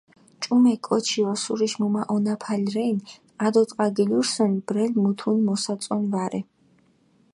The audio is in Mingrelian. ჭუმე კოჩი ოსურიში მჷმაჸონაფალი რენ, ტყა დო ტყას გილურსჷნ, ბრელი მუთუნ მოსაწონი ვარე.